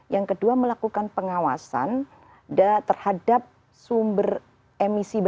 yang kedua melakukan pengawasan terhadap sumber sumber pencemar yang ada di jabodetabek